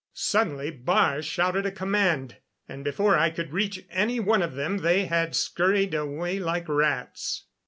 Suddenly Baar shouted a command, and before I could reach any one of them they had scurried away like rats.